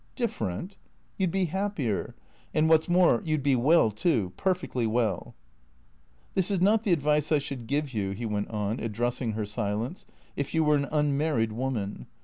"Different?" " You 'd be happier. And, what 's more, you 'd be well, too. Perfectly well." " This is not tlie advice I should give you," he went on, ad dressing her silence, " if you were an unmarried woman.